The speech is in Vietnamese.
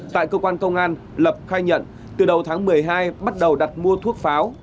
tại cơ quan công an lập khai nhận từ đầu tháng một mươi hai bắt đầu đặt mua thuốc pháo